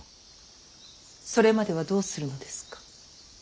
それまではどうするのですか。